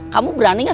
kamu berani gak